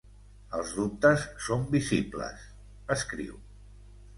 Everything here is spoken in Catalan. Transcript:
Els dubtes són visibles, escriu.